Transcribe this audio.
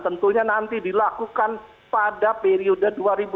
tentunya nanti dilakukan pada periode dua ribu dua puluh